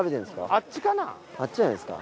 あっちじゃないですか？